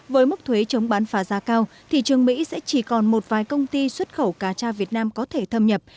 với mức thuế chống bán phá giá cao thị trường mỹ sẽ chỉ còn một vài công ty xuất khẩu cà cha việt nam có thể thâm nhập